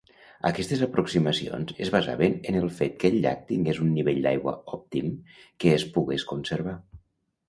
Aquestes aproximacions es basaven en el fet que el llac tingués un nivell d'aigua òptim que es pogués conservar.